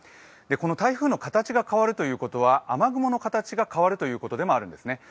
この台風の形が変わるということは、雨雲の形が変わるということでもあるんですね。